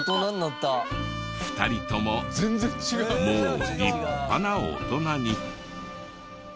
２人とももう立派な大人に。